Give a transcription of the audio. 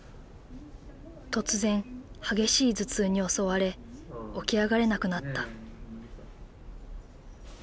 突然激しい頭痛に襲われ起き上がれなくなった。